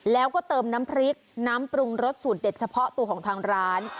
แล้วก็เติมน้ำพริกน้ำปรุงรสสูตรเด็ดเฉพาะตัวของทางร้าน